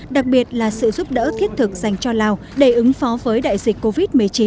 đặc biệt là sự giúp đỡ thiết thực dành cho lào để ứng phó với đại dịch covid một mươi chín